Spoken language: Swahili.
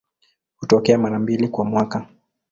Hutokea mara mbili kwa mwaka.